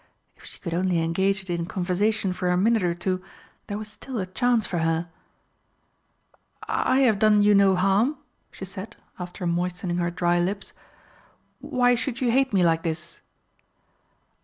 If she could only engage it in conversation for a minute or two, there was still a chance for her. "I have done you no harm," she said, after moistening her dry lips. "Why should you hate me like this?"